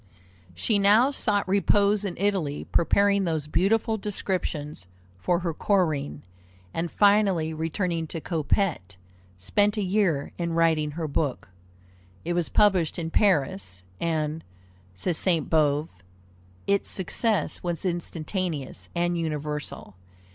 She now sought repose in Italy, preparing those beautiful descriptions for her Corinne, and finally returning to Coppet, spent a year in writing her book. It was published in Paris, and, says Sainte Beuve, "its success was instantaneous and universal.